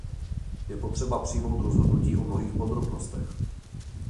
Je potřeba přijmout rozhodnutí o mnohých podrobnostech.